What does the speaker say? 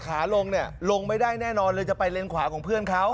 ขาลงเนี่ยลงไม่ได้แน่นอนเลยจะไปเลนขวาของเพื่อนเขา